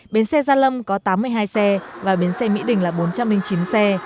bến xe gia lâm có tám mươi hai xe và bến xe mỹ đình là bốn trăm linh chín xe